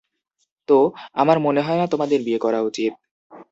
তো, আমার মনে হয় না তোমার বিয়ে করা উচিত।